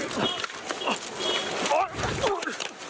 สุดท้ายและสุดท้ายสุดท้าย